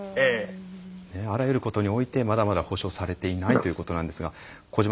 あらゆることにおいてまだまだ保障されていないということなんですが小島